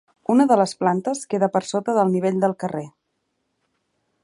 Una de les plantes queda per sota del nivell del carrer.